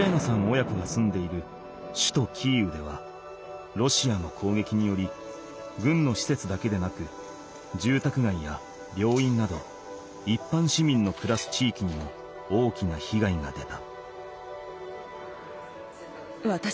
親子が住んでいる首都キーウではロシアの攻撃により軍の施設だけでなくじゅうたくがいや病院などいっぱん市民の暮らす地域にも大きなひがいが出た。